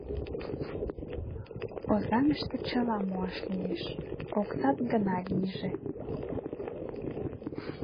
— Озаҥыште чыла муаш лиеш, оксат гына лийже.